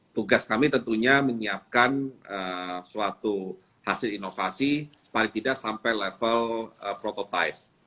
tugas kami tentunya menyiapkan suatu hasil inovasi paling tidak sampai level prototipe